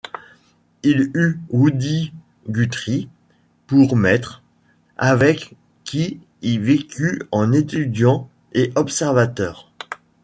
Il eut Woody Guthrie pour maître, avec qui il vécut en étudiant et observateur.